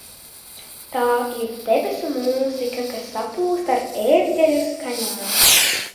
Tā ir debesu mūzika, kas saplūst ar ērģeļu skaņām.